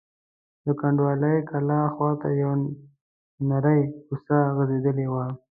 د کنډوالې کلا خواته یوه نرۍ کوڅه غځېدلې وه.